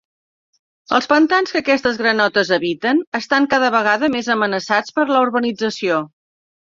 Els pantans que aquestes granotes habiten estan cada vegada més amenaçats per la urbanització.